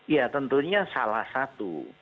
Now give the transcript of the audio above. ya tentunya salah satu